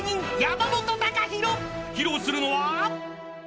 ［披露するのは］